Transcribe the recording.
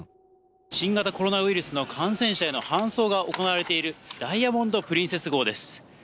新型コロナウイルスの感染者の搬送が行われているダイヤモンド・プリンセス号です。